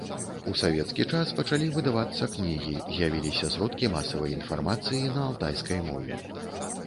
У савецкі час пачалі выдавацца кнігі, з'явіліся сродкі масавай інфармацыі на алтайскай мове.